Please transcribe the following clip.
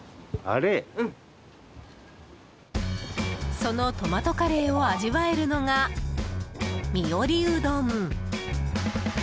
そのトマトカレーを味わえるのが、水織うどん。